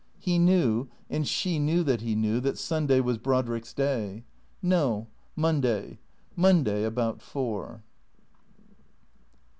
He knew, and she knew that he knew, that Sunday was Brod rick's day. "No, Monday. Monday, about four."